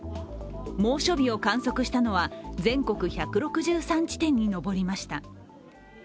猛暑日を観測したのは全国１６３地点に上りました。